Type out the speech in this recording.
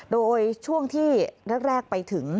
โดยช่วงที่แรกไปถึง